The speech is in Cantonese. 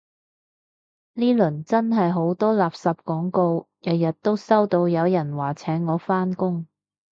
呢輪真係好多垃圾廣告，日日都收到有人話請我返工